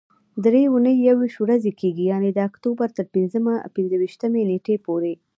درې اونۍ یويشت ورځې کېږي، یعنې د اکتوبر تر پنځه ویشتمې نېټې پورې.